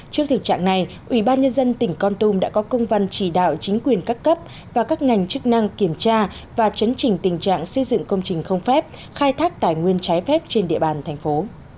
trước thực trạng này ủy ban nhân dân tỉnh con tum đã có công văn chỉ đạo chính quyền các cấp và các ngành chức năng kiểm tra và chấn trình tình trạng xây dựng công trình không phép khai thác tài nguyên trái phép trên địa bàn thành phố